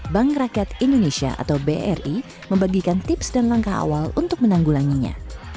bank rakyat indonesia atau bri membagikan tips dan langkah awal untuk menanggulanginya